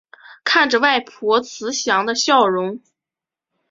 看着外婆慈祥的笑容